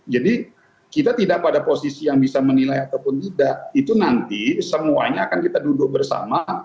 jadi kita tidak pada posisi yang bisa menilai ataupun tidak itu nanti semuanya akan kita duduk bersama